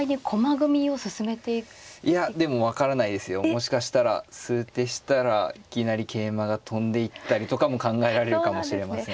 もしかしたら数手したらいきなり桂馬が跳んでいったりとかも考えられるかもしれません。